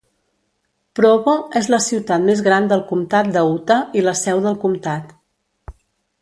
Provo és la ciutat més gran del comtat de Utah i la seu del comtat.